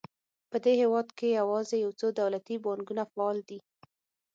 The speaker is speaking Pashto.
په دې هېواد کې یوازې یو څو دولتي بانکونه فعال دي.